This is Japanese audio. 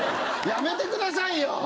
やめてくださいよ！